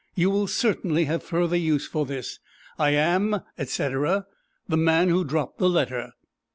You will certainly have further use for this. I am, etc., the Man Who Dropped the Letter."